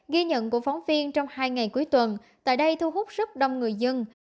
ghi nhận của phóng viên trong hai ngày cuối tuần tại đây thu hút rất đông người dân